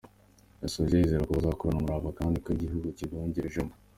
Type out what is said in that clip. Yasoje yizeza ko bazakorana umurava akazi kabo igihugu kiboherejemo.